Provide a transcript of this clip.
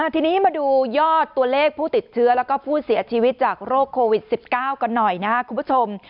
ทีนี้มาดูยอดตัวเลขผู้ติดเชื้อแล้วก็ผู้เสียชีวิตจากโรคโควิด๑๙กันหน่อยนะครับคุณผู้ชม